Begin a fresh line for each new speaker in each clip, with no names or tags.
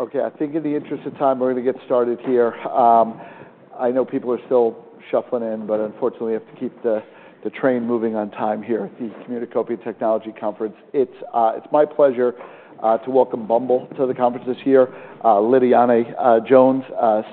Okay, I think in the interest of time, we're going to get started here. I know people are still shuffling in, but unfortunately, we have to keep the train moving on time here at the Communicopia Technology Conference. It's my pleasure to welcome Bumble to the conference this year. Lidiane Jones,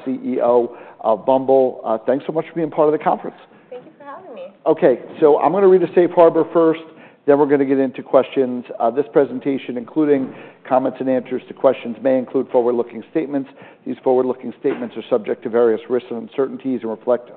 CEO of Bumble, thanks so much for being part of the conference.
Thank you for having me.
Okay, so I'm gonna read a safe harbor first, then we're gonna get into questions. This presentation, including comments and answers to questions, may include forward-looking statements. These forward-looking statements are subject to various risks and uncertainties and reflect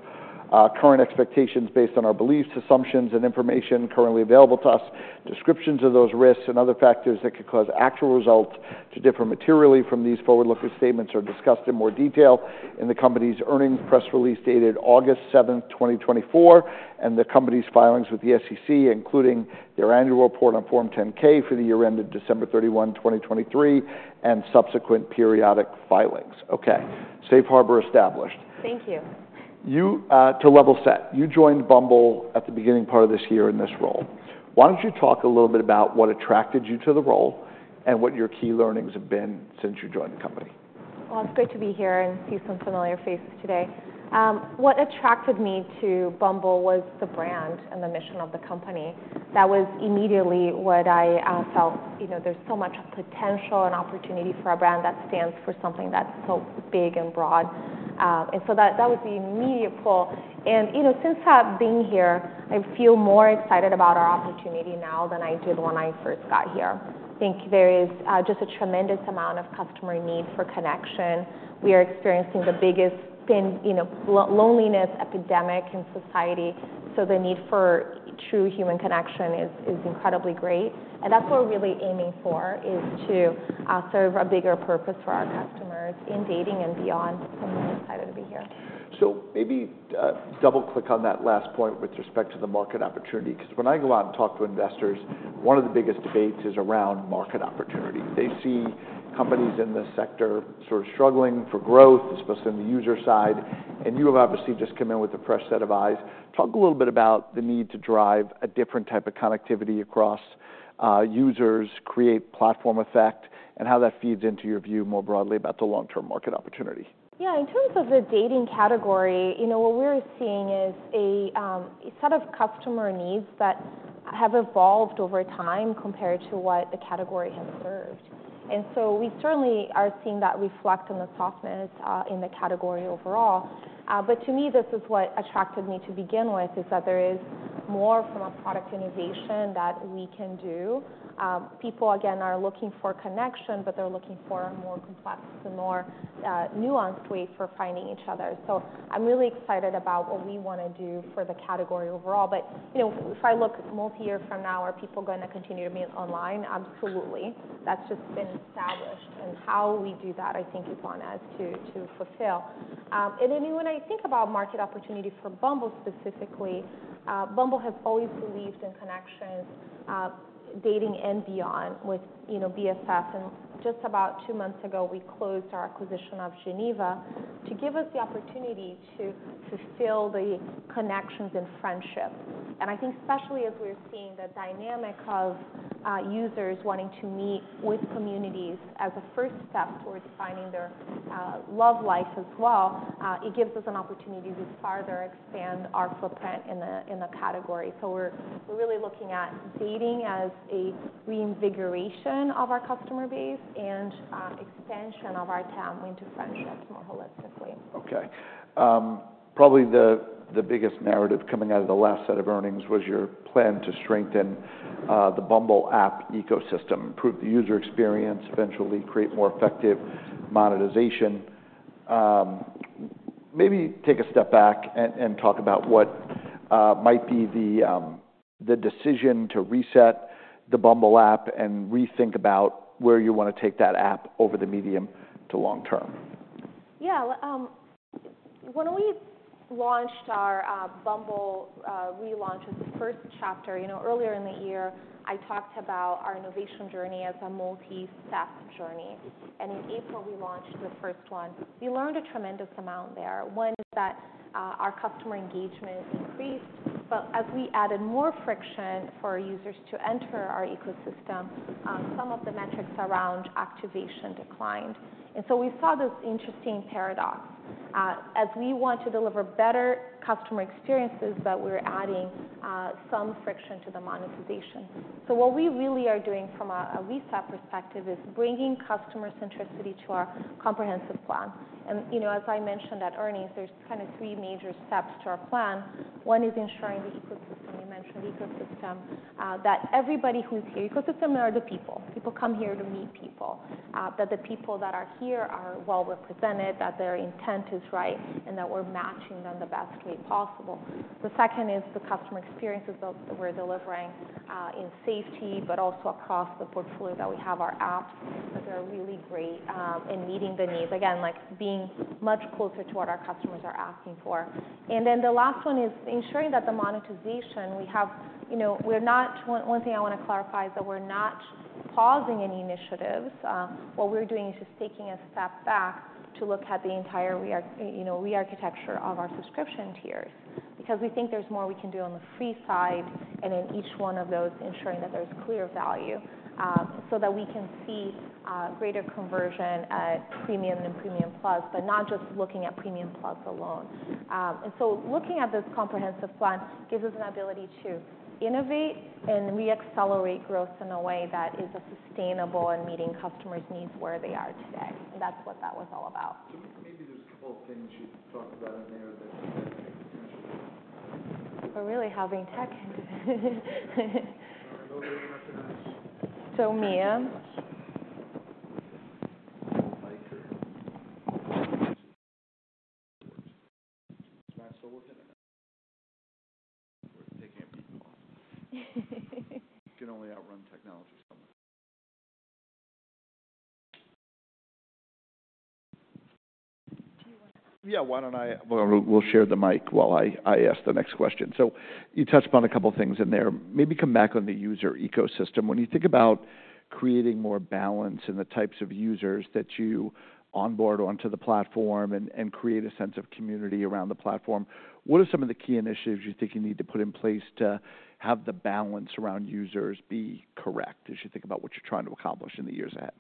current expectations based on our beliefs, assumptions, and information currently available to us. Descriptions of those risks and other factors that could cause actual results to differ materially from these forward-looking statements are discussed in more detail in the company's earnings press release, dated August 7th, 2024, and the company's filings with the SEC, including their annual report on Form 10-K for the year ended December 31, 2023 and subsequent periodic filings. Okay, Safe Harbor established.
Thank you.
To level set, you joined Bumble at the beginning part of this year in this role. Why don't you talk a little bit about what attracted you to the role and what your key learnings have been since you joined `the company?
It's great to be here and see some familiar faces today. What attracted me to Bumble was the brand and the mission of the company. That was immediately what I felt. You know, there's so much potential and opportunity for a brand that stands for something that's so big and broad. So that was the immediate pull. You know, since I've been here, I feel more excited about our opportunity now than I did when I first got here. I think there is just a tremendous amount of customer need for connection. We are experiencing the biggest, you know, loneliness epidemic in society, so the need for true human connection is incredibly great. That's what we're really aiming for, is to serve a bigger purpose for our customers in dating and beyond. I'm excited to be here.
So maybe, double-click on that last point with respect to the market opportunity, 'cause when I go out and talk to investors, one of the biggest debates is around market opportunity. They see companies in this sector sort of struggling for growth, especially on the user side, and you have obviously just come in with a fresh set of eyes. Talk a little bit about the need to drive a different type of connectivity across, users, create platform effect, and how that feeds into your view more broadly about the long-term market opportunity.
Yeah, in terms of the dating category, you know, what we're seeing is a set of customer needs that have evolved over time compared to what the category has served. And so we certainly are seeing that reflect on the softness in the category overall. But to me, this is what attracted me to begin with, is that there is more from a product innovation that we can do. People, again, are looking for connection, but they're looking for a more complex and more nuanced way for finding each other. So I'm really excited about what we want to do for the category overall. But, you know, if I look multi-year from now, are people going to continue to meet online? Absolutely. That's just been established. And how we do that, I think, is on us to fulfill. And then when I think about market opportunity for Bumble specifically, Bumble has always believed in connection, dating and beyond with, you know, BFFs. And just about two months ago, we closed our acquisition of Geneva to give us the opportunity to fulfill the connections and friendships. And I think especially as we're seeing the dynamic of, users wanting to meet with communities as a first step towards finding their, love life as well, it gives us an opportunity to farther expand our footprint in the category. So we're really looking at dating as a reinvigoration of our customer base and, extension of our TAM nto friendships more holistically.
Okay. Probably the biggest narrative coming out of the last set of earnings was your plan to strengthen the Bumble app ecosystem, improve the user experience, eventually create more effective monetization. Maybe take a step back and talk about what might be the decision to reset the Bumble app and rethink about where you want to take that app over the medium to long term.
Yeah. When we launched our, Bumble, relaunch's first chapter, you know, earlier in the year, I talked about our innovation journey as a multi-step journey, and in April, we launched the first one. We learned a tremendous amount there. One is that, our customer engagement increased, but as we added more friction for our users to enter our ecosystem, some of the metrics around activation declined. And so we saw this interesting paradox, as we want to deliver better customer experiences, but we're adding, some friction to the monetization. So what we really are doing from a reset perspective is bringing customer centricity to our comprehensive plan. And, you know, as I mentioned at earnings, there's kind of three major steps to our plan. One is ensuring the ecosystem. I mentioned the ecosystem, that everybody who's here... Ecosystem are the people. People come here to meet people. That the people that are here are well represented, that their intent is right, and that we're matching them the best way possible. The second is the customer experiences that we're delivering in safety, but also across the portfolio, that we have our apps that are really great in meeting the needs. Again, like, being much closer to what our customers are asking for. And then the last one is ensuring that the monetization we have. You know, we're not. One thing I want to clarify is that we're not pausing any initiatives. What we're doing is just taking a step back to look at the entire rearchitecture of our subscription tiers. Because we think there's more we can do on the free side, and in each one of those, ensuring that there's clear value, so that we can see greater conversion at Premium and Premium Plus, but not just looking at Premium Plus alone. And so looking at this comprehensive plan gives us an ability to innovate and reaccelerate growth in a way that is sustainable and meeting customers' needs where they are today. That's what that was all about.
Maybe there's a couple of things you talked about in there that-
We're really having tech. So Mia?
Is Matt still looking or taking a peek? You can only outrun technology so much.
Do you want to-
Yeah, why don't I, well, we'll share the mic while I ask the next question. So you touched upon a couple of things in there. Maybe come back on the user ecosystem. When you think about creating more balance in the types of users that you onboard onto the platform and create a sense of community around the platform, what are some of the key initiatives you think you need to put in place to have the balance around users be correct, as you think about what you're trying to accomplish in the years ahead?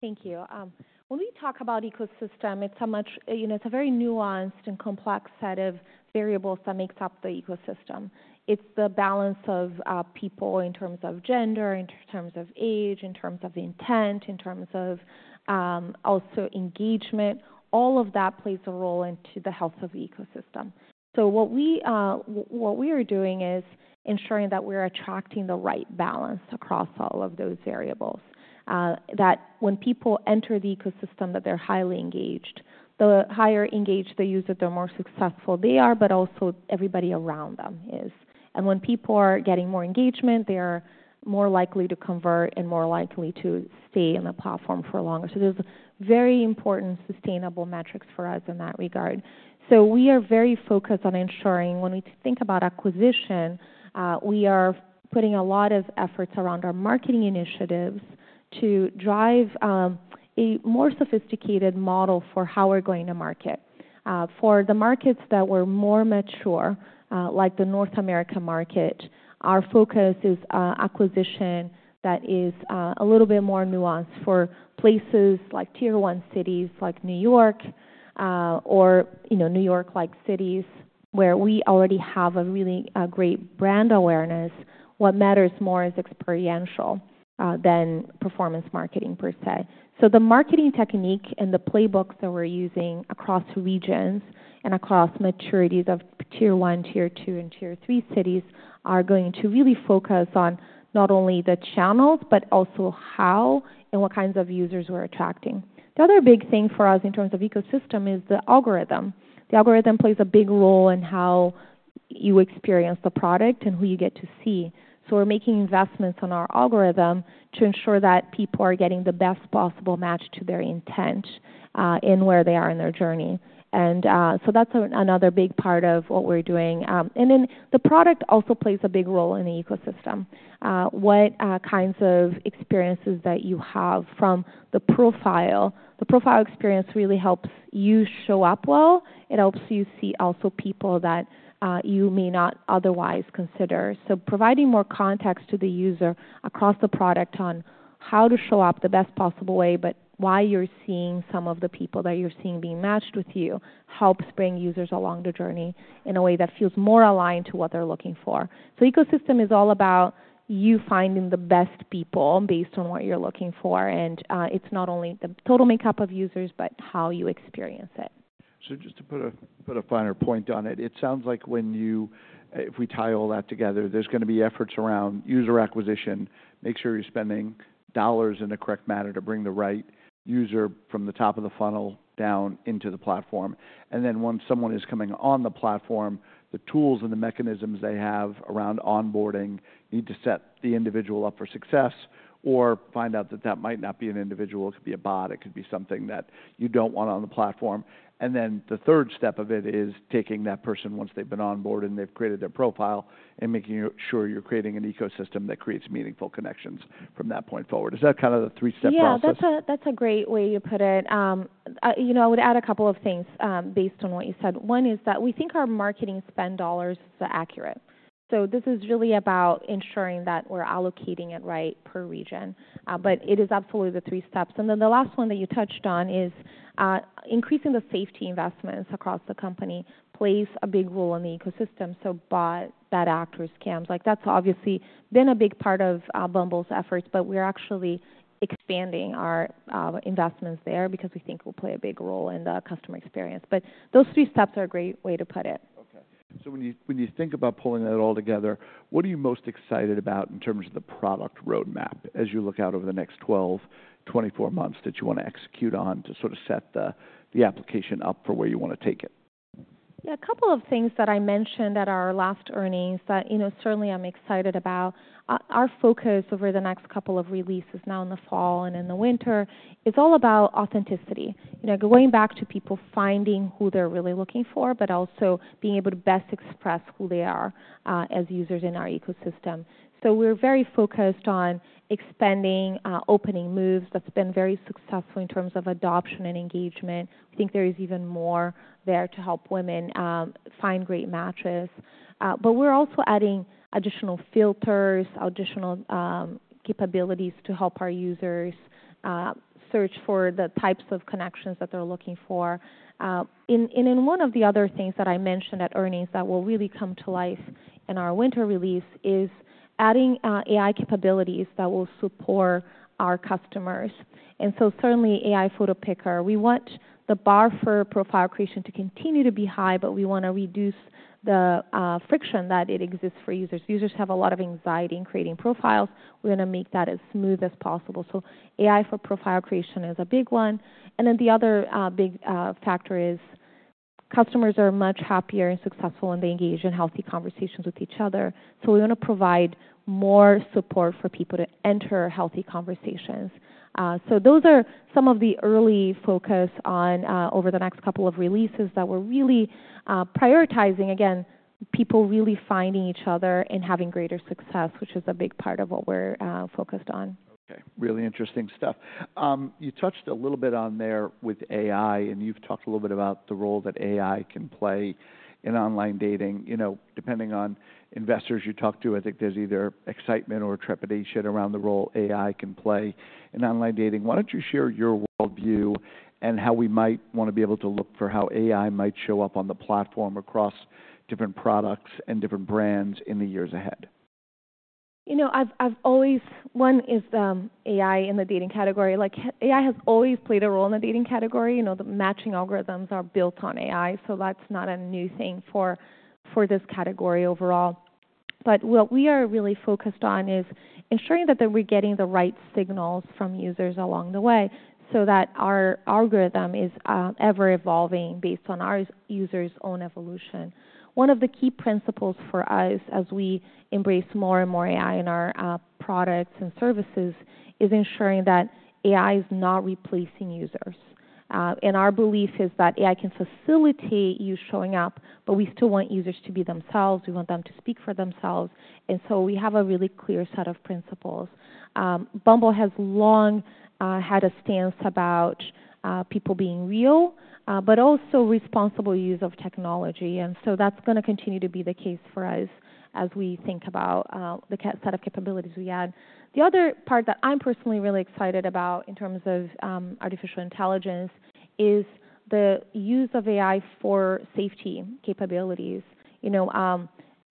Thank you. When we talk about ecosystem, it's a much you know, it's a very nuanced and complex set of variables that makes up the ecosystem. It's the balance of people in terms of gender, in terms of age, in terms of intent, in terms of also engagement. All of that plays a role into the health of the ecosystem. So what we are doing is ensuring that we're attracting the right balance across all of those variables. That when people enter the ecosystem, that they're highly engaged. The higher engaged the user, the more successful they are, but also everybody around them is, and when people are getting more engagement, they are more likely to convert and more likely to stay on the platform for longer. So there's very important sustainable metrics for us in that regard. So we are very focused on ensuring when we think about acquisition, we are putting a lot of efforts around our marketing initiatives to drive a more sophisticated model for how we're going to market. For the markets that we're more mature, like the North America market, our focus is acquisition that is a little bit more nuanced. For places like tier-one cities, like New York, or, you know, New York-like cities, where we already have a really great brand awareness, what matters more is experiential than performance marketing per se. So the marketing technique and the playbooks that we're using across regions and across maturities of tier one, tier two, and tier three cities are going to really focus on not only the channels, but also how and what kinds of users we're attracting. The other big thing for us in terms of ecosystem is the algorithm. The algorithm plays a big role in how you experience the product and who you get to see, so we're making investments on our algorithm to ensure that people are getting the best possible match to their intent in where they are in their journey, and so that's another big part of what we're doing, and then the product also plays a big role in the ecosystem. What kinds of experiences that you have from the profile. The profile experience really helps you show up well. It helps you see also people that you may not otherwise consider. So providing more context to the user across the product on how to show up the best possible way, but why you're seeing some of the people that you're seeing being matched with you, helps bring users along the journey in a way that feels more aligned to what they're looking for. So ecosystem is all about you finding the best people based on what you're looking for, and, it's not only the total makeup of users, but how you experience it.
So just to put a finer point on it, it sounds like if we tie all that together, there's gonna be efforts around user acquisition, make sure you're spending dollars in the correct manner to bring the right user from the top of the funnel down into the platform. And then once someone is coming on the platform, the tools and the mechanisms they have around onboarding need to set the individual up for success or find out that that might not be an individual. It could be a bot, it could be something that you don't want on the platform. And then the third step of it is taking that person once they've been onboard and they've created their profile, and making sure you're creating an ecosystem that creates meaningful connections from that point forward. Is that kind of the three-step process?
Yeah, that's a great way to put it. You know, I would add a couple of things based on what you said. One is that we think our marketing spend dollars are accurate. So this is really about ensuring that we're allocating it right per region. But it is absolutely the three steps. And then the last one that you touched on is increasing the safety investments across the company plays a big role in the ecosystem, so bots, bad actors, scams. Like, that's obviously been a big part of Bumble's efforts, but we're actually expanding our investments there because we think it will play a big role in the customer experience. But those three steps are a great way to put it.
Okay. So when you think about pulling that all together, what are you most excited about in terms of the product roadmap as you look out over the next 12, 24 months that you want to execute on to sort of set the application up for where you want to take it?
Yeah, a couple of things that I mentioned at our last earnings that, you know, certainly I'm excited about. Our focus over the next couple of releases, now in the fall and in the winter, is all about authenticity. You know, going back to people finding who they're really looking for, but also being able to best express who they are as users in our ecosystem. So we're very focused on expanding Opening Moves. That's been very successful in terms of adoption and engagement. I think there is even more there to help women find great matches. But we're also adding additional filters, additional capabilities to help our users search for the types of connections that they're looking for. In one of the other things that I mentioned at earnings that will really come to life in our winter release is adding AI capabilities that will support our customers. And so certainly, AI photo picker, we want the bar for profile creation to continue to be high, but we want to reduce the friction that it exists for users. Users have a lot of anxiety in creating profiles. We're going to make that as smooth as possible. So AI for profile creation is a big one, and then the other big factor is customers are much happier and successful when they engage in healthy conversations with each other. So we want to provide more support for people to enter healthy conversations. So those are some of the early focus on over the next couple of releases that we're really prioritizing. Again, people really finding each other and having greater success, which is a big part of what we're focused on.
Okay, really interesting stuff. You touched a little bit on there with AI, and you've talked a little bit about the role that AI can play in online dating. You know, depending on investors you talk to, I think there's either excitement or trepidation around the role AI can play in online dating. Why don't you share your worldview and how we might want to be able to look for how AI might show up on the platform across different products and different brands in the years ahead?
You know, one is AI in the dating category. Like, AI has always played a role in the dating category. You know, the matching algorithms are built on AI, so that's not a new thing for this category overall. But what we are really focused on is ensuring that we're getting the right signals from users along the way so that our algorithm is ever-evolving based on our users' own evolution. One of the key principles for us, as we embrace more and more AI in our products and services, is ensuring that AI is not replacing users. And our belief is that AI can facilitate you showing up, but we still want users to be themselves. We want them to speak for themselves, and so we have a really clear set of principles. Bumble has long had a stance about people being real but also responsible use of technology, and so that's gonna continue to be the case for us as we think about the set of capabilities we add. The other part that I'm personally really excited about in terms of artificial intelligence is the use of AI for safety capabilities. You know,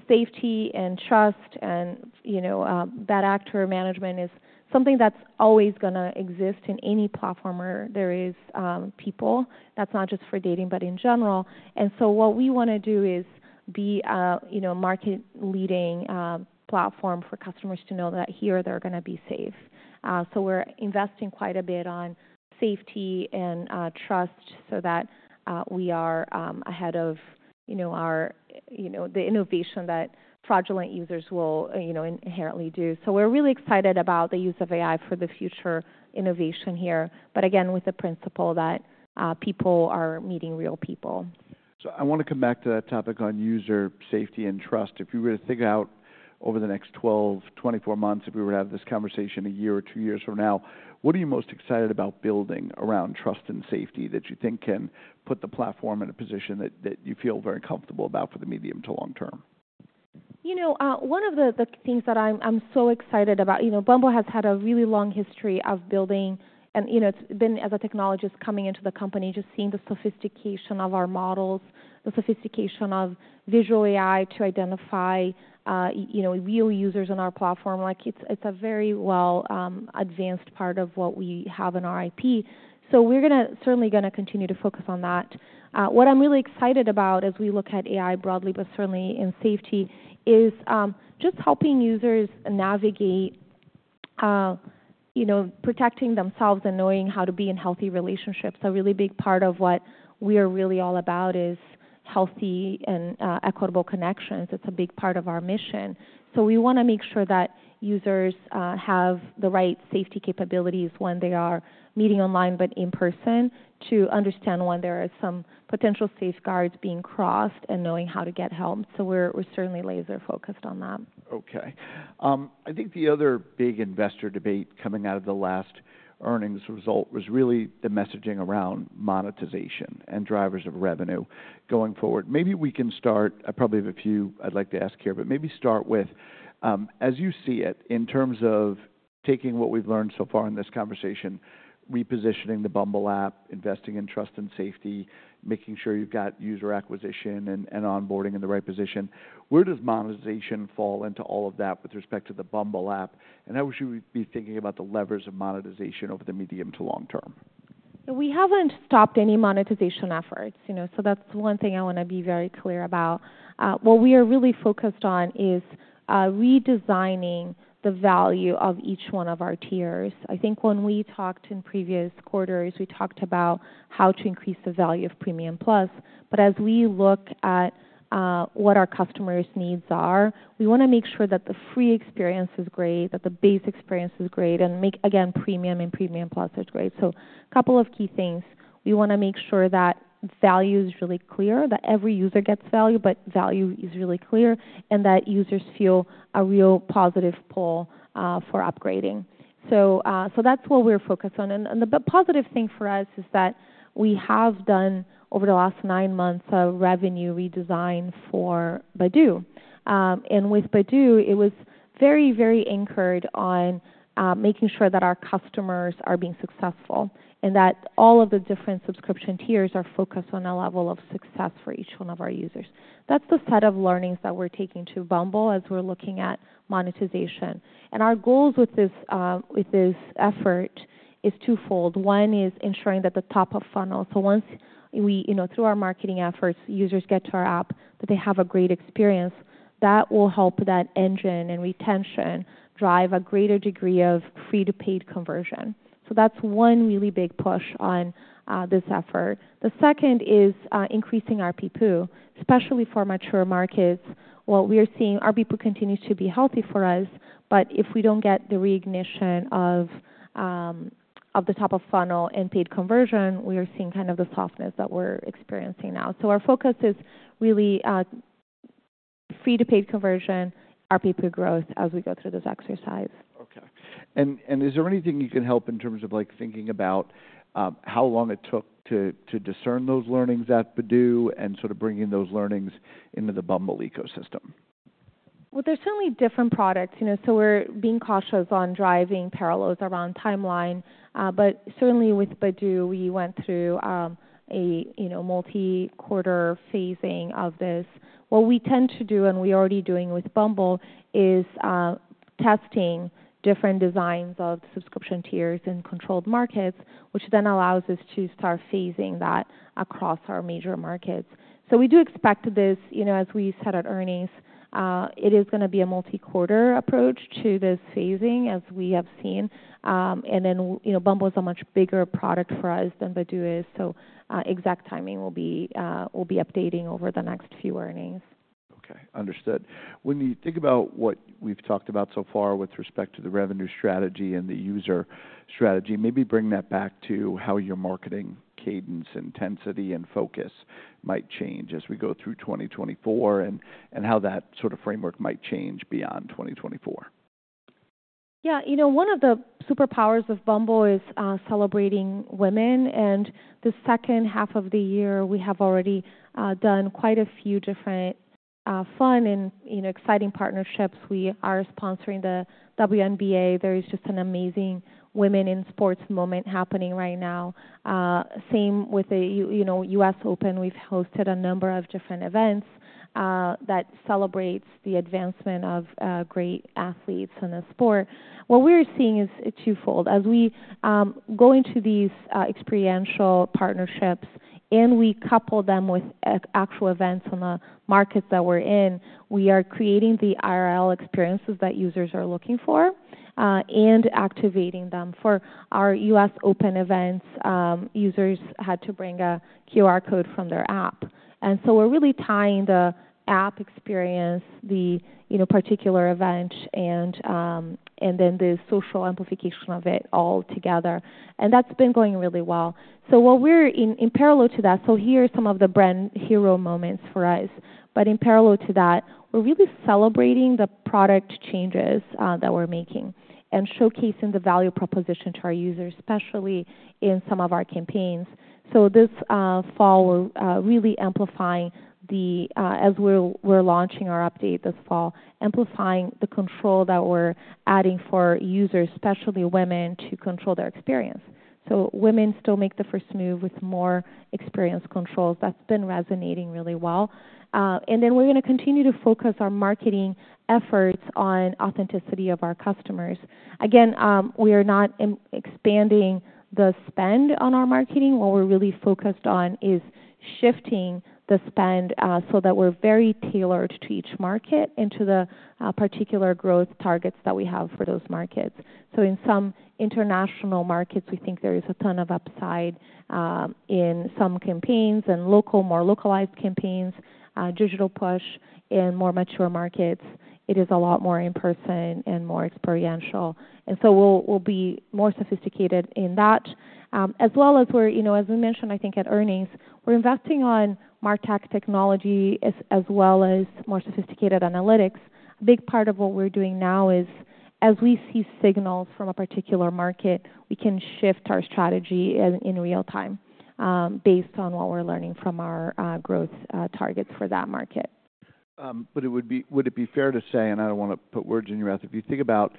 safety and trust and, you know, bad actor management is something that's always gonna exist in any platform where there is people. That's not just for dating, but in general. And so what we wanna do is be a, you know, market-leading platform for customers to know that here they're gonna be safe. We're investing quite a bit on safety and trust so that we are ahead of, you know, our, you know, the innovation that fraudulent users will, you know, inherently do. So we're really excited about the use of AI for the future innovation here, but again, with the principle that people are meeting real people.
So I want to come back to that topic on user safety and trust. If you were to think out over the next 12, 24 months, if we were to have this conversation a year or two years from now, what are you most excited about building around trust and safety that you think can put the platform in a position that, that you feel very comfortable about for the medium to long term?
You know, one of the things that I'm so excited about, you know, Bumble has had a really long history of building and, you know, been, as a technologist coming into the company, just seeing the sophistication of our models, the sophistication of visual AI to identify, you know, real users on our platform. Like, it's a very well advanced part of what we have in our IP. So we're gonna certainly continue to focus on that. What I'm really excited about as we look at AI broadly, but certainly in safety, is just helping users navigate, you know, protecting themselves and knowing how to be in healthy relationships. A really big part of what we are really all about is healthy and equitable connections. It's a big part of our mission. So we wanna make sure that users have the right safety capabilities when they are meeting online, but in person, to understand when there are some potential safeguards being crossed and knowing how to get help. So we're certainly laser focused on that.
Okay. I think the other big investor debate coming out of the last earnings result was really the messaging around monetization and drivers of revenue going forward. Maybe we can start. I probably have a few I'd like to ask here, but maybe start with, as you see it, in terms of taking what we've learned so far in this conversation, repositioning the Bumble app, investing in trust and safety, making sure you've got user acquisition and onboarding in the right position, where does monetization fall into all of that with respect to the Bumble app, and how should we be thinking about the levers of monetization over the medium to long term?
So we haven't stopped any monetization efforts, you know, so that's one thing I want to be very clear about. What we are really focused on is redesigning the value of each one of our tiers. I think when we talked in previous quarters, we talked about how to increase the value of Premium Plus, but as we look at what our customers' needs are, we wanna make sure that the free experience is great, that the base experience is great, and make, again, Premium and Premium Plus is great. So couple of key things. We wanna make sure that value is really clear, that every user gets value, but value is really clear, and that users feel a real positive pull for upgrading. So, so that's what we're focused on. The positive thing for us is that we have done, over the last nine months, a revenue redesign for Badoo. With Badoo, it was very, very anchored on making sure that our customers are being successful and that all of the different subscription tiers are focused on a level of success for each one of our users. That's the set of learnings that we're taking to Bumble as we're looking at monetization. Our goals with this effort is twofold. One is ensuring that the top of funnel, so once we, you know, through our marketing efforts, users get to our app, that they have a great experience, that will help that engine and retention drive a greater degree of free-to-paid conversion, so that's one really big push on this effort. The second is, increasing our ARPPU, especially for mature markets. What we are seeing, our ARPPU continues to be healthy for us, but if we don't get the reignition of, of the top of funnel and paid conversion, we are seeing kind of the softness that we're experiencing now. So our focus is really, free to paid conversion, our payer growth as we go through this exercise.
Okay. And is there anything you can help in terms of, like, thinking about how long it took to discern those learnings at Badoo and sort of bring in those learnings into the Bumble ecosystem?
They're certainly different products, you know, so we're being cautious on driving parallels around timeline. But certainly with Badoo, we went through a, you know, multi-quarter phasing of this. What we tend to do, and we're already doing with Bumble, is testing different designs of subscription tiers in controlled markets, which then allows us to start phasing that across our major markets. So we do expect this, you know, as we said, at earnings, it is gonna be a multi-quarter approach to this phasing, as we have seen. And then, you know, Bumble is a much bigger product for us than Badoo is, so exact timing will be, we'll be updating over the next few earnings.
Okay, understood. When you think about what we've talked about so far with respect to the revenue strategy and the user strategy, maybe bring that back to how your marketing cadence, intensity, and focus might change as we go through 2024, and how that sort of framework might change beyond 2024.
Yeah, you know, one of the superpowers of Bumble is celebrating women, and the second half of the year, we have already done quite a few different fun and, you know, exciting partnerships. We are sponsoring the WNBA. There is just an amazing women in sports moment happening right now. Same with the U.S., you know, U.S. Open. We've hosted a number of different events that celebrates the advancement of great athletes in a sport. What we're seeing is twofold. As we go into these experiential partnerships, and we couple them with actual events from the markets that we're in, we are creating the IRL experiences that users are looking for, and activating them. For our U.S. Open events, users had to bring a QR code from their app, and so we're really tying the app experience, you know, particular event, and then the social amplification of it all together, and that's been going really well. In parallel to that, so here are some of the brand hero moments for us, but in parallel to that, we're really celebrating the product changes that we're making and showcasing the value proposition to our users, especially in some of our campaigns. So this fall, we're really amplifying, as we're launching our update this fall, amplifying the control that we're adding for users, especially women, to control their experience. So women still make the first move with more experience controls. That's been resonating really well. And then we're gonna continue to focus our marketing efforts on authenticity of our customers. Again, we are not expanding the spend on our marketing. What we're really focused on is shifting the spend, so that we're very tailored to each market and to the particular growth targets that we have for those markets. So in some international markets, we think there is a ton of upside in some campaigns and local, more localized campaigns, digital push. In more mature markets, it is a lot more in-person and more experiential, and so we'll be more sophisticated in that. As well as we're, you know, as we mentioned, I think at earnings, we're investing on MarTech technology as well as more sophisticated analytics. A big part of what we're doing now is, as we see signals from a particular market, we can shift our strategy in real time based on what we're learning from our growth targets for that market.
But it would be fair to say, and I don't want to put words in your mouth, if you think about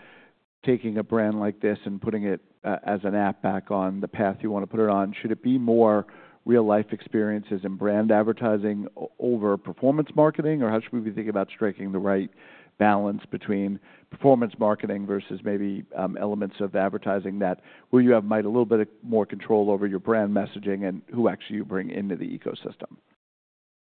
taking a brand like this and putting it as an app back on the path you want to put it on, should it be more real-life experiences and brand advertising over performance marketing? Or how should we be thinking about striking the right balance between performance marketing versus maybe elements of advertising that where you might have a little bit more control over your brand messaging and who actually you bring into the ecosystem?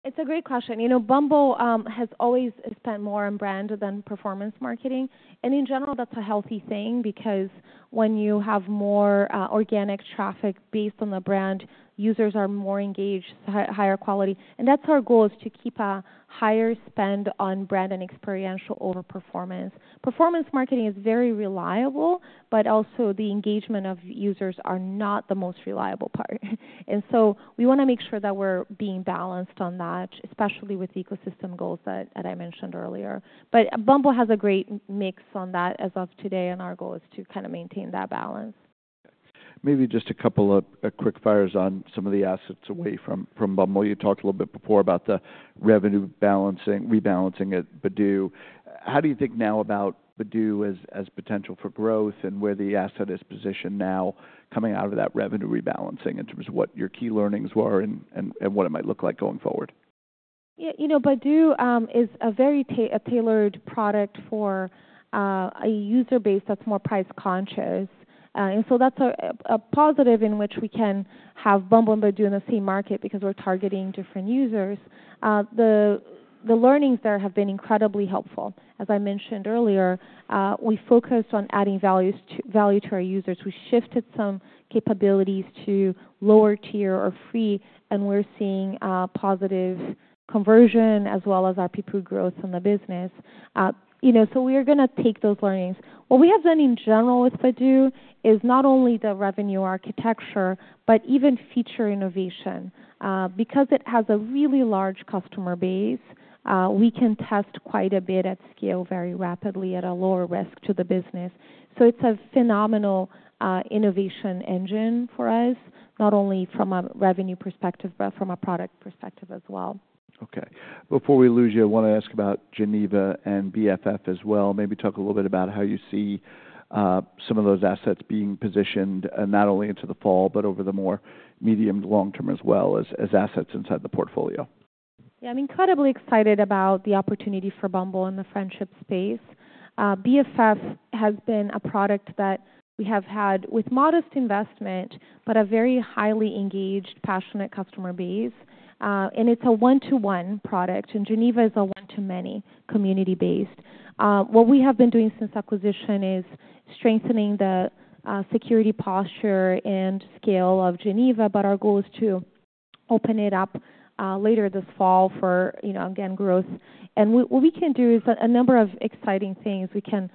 It's a great question. You know, Bumble has always spent more on brand than performance marketing, and in general, that's a healthy thing because when you have more organic traffic based on the brand, users are more engaged, higher quality, and that's our goal, is to keep a higher spend on brand and experiential over performance. Performance marketing is very reliable, but also the engagement of users are not the most reliable part, and so we wanna make sure that we're being balanced on that, especially with the ecosystem goals that I mentioned earlier, but Bumble has a great mix on that as of today, and our goal is to kind of maintain that balance.
Maybe just a couple of quick-fires on some of the assets away from Bumble. You talked a little bit before about the revenue balancing, rebalancing at Badoo. How do you think now about Badoo as potential for growth and where the asset is positioned now, coming out of that revenue rebalancing, in terms of what your key learnings were and what it might look like going forward?
Yeah, you know, Badoo is a very tailored product for a user base that's more price conscious. And so that's a positive in which we can have Bumble and Badoo in the same market because we're targeting different users. The learnings there have been incredibly helpful. As I mentioned earlier, we focused on adding value to our users. We shifted some capabilities to lower tier or free, and we're seeing positive conversion as well as our payer growth in the business. You know, so we are gonna take those learnings. What we have done in general with Badoo is not only the revenue architecture, but even feature innovation. Because it has a really large customer base, we can test quite a bit at scale very rapidly at a lower risk to the business. It's a phenomenal innovation engine for us, not only from a revenue perspective, but from a product perspective as well.
Okay. Before we lose you, I want to ask about Geneva and BFF as well. Maybe talk a little bit about how you see, some of those assets being positioned, not only into the fall, but over the more medium to long term, as well as, as assets inside the portfolio.
Yeah, I'm incredibly excited about the opportunity for Bumble in the friendship space. BFF has been a product that we have had with modest investment, but a very highly engaged, passionate customer base. And it's a one-to-one product, and Geneva is a one-to-many, community-based. What we have been doing since acquisition is strengthening the security posture and scale of Geneva, but our goal is to open it up, later this fall for, you know, again, growth. And what we can do is a number of exciting things. We can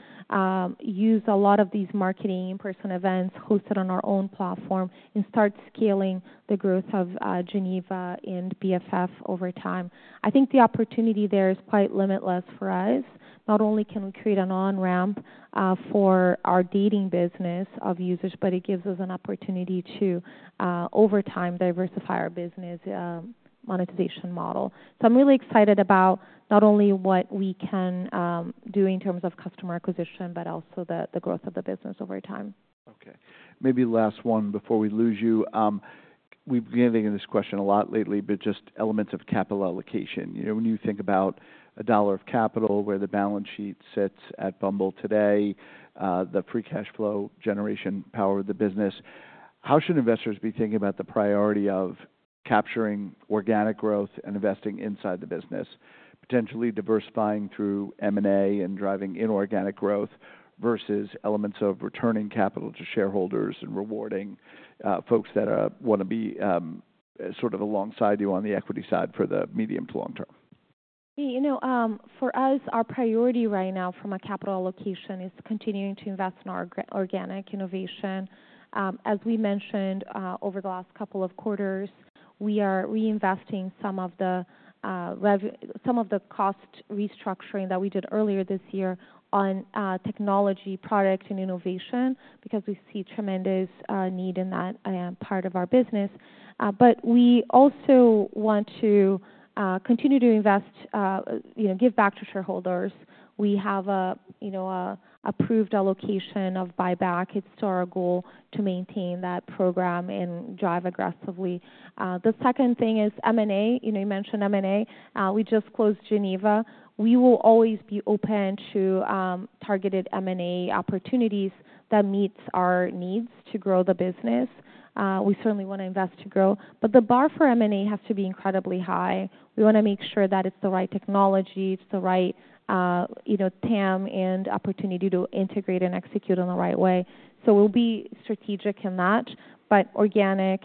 use a lot of these marketing in-person events, host it on our own platform, and start scaling the growth of Geneva and BFF over time. I think the opportunity there is quite limitless for us. Not only can we create an on-ramp for our dating business of users, but it gives us an opportunity to, over time, diversify our business monetization model. So I'm really excited about not only what we can do in terms of customer acquisition, but also the growth of the business over time.
Okay, maybe last one before we lose you. We've been getting this question a lot lately, but just elements of capital allocation. You know, when you think about a dollar of capital, where the balance sheet sits at Bumble today, the free cash flow generation power of the business, how should investors be thinking about the priority of capturing organic growth and investing inside the business, potentially diversifying through M&A and driving inorganic growth, versus elements of returning capital to shareholders and rewarding folks that wanna be sort of alongside you on the equity side for the medium to long term?
You know, for us, our priority right now from a capital allocation is continuing to invest in our organic innovation. As we mentioned, over the last couple of quarters, we are reinvesting some of the cost restructuring that we did earlier this year on technology, product, and innovation, because we see tremendous need in that part of our business, but we also want to continue to invest, you know, give back to shareholders. We have a, you know, a approved allocation of buyback. It's our goal to maintain that program and drive aggressively. The second thing is M&A. You know, you mentioned M&A. We just closed Geneva. We will always be open to targeted M&A opportunities that meets our needs to grow the business. We certainly wanna invest to grow, but the bar for M&A has to be incredibly high. We wanna make sure that it's the right technology, it's the right, you know, TAM and opportunity to integrate and execute in the right way. So we'll be strategic in that, but organic,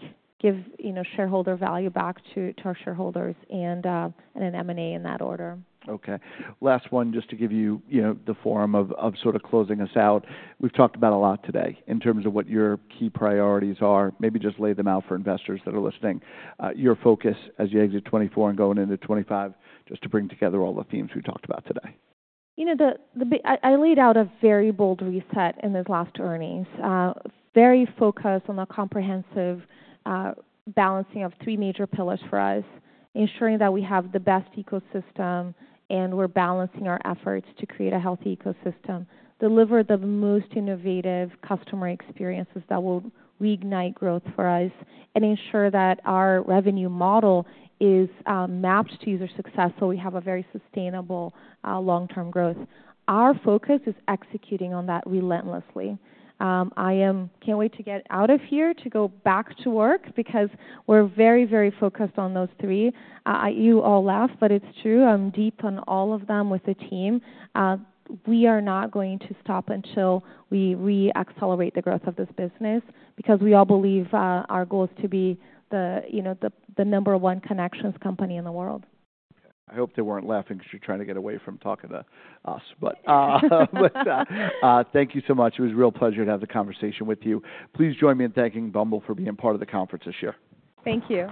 you know, shareholder value back to our shareholders and an M&A in that order.
Okay, last one, just to give you, you know, the form of sort of closing us out. We've talked about a lot today in terms of what your key priorities are. Maybe just lay them out for investors that are listening. Your focus as you exit 2024 and going into 2025, just to bring together all the themes we talked about today.
You know, I laid out a very bold reset in this last earnings. Very focused on the comprehensive balancing of three major pillars for us, ensuring that we have the best ecosystem, and we're balancing our efforts to create a healthy ecosystem, deliver the most innovative customer experiences that will reignite growth for us, and ensure that our revenue model is mapped to user success, so we have a very sustainable long-term growth. Our focus is executing on that relentlessly. I am can't wait to get out of here to go back to work because we're very, very focused on those three. I-- you all laugh, but it's true. I'm deep on all of them with the team. We are not going to stop until we re-accelerate the growth of this business, because we all believe, our goal is to be the, you know, the number one connections company in the world.
I hope they weren't laughing because you're trying to get away from talking to us. But, thank you so much. It was a real pleasure to have the conversation with you. Please join me in thanking Bumble for being part of the conference this year.
Thank you.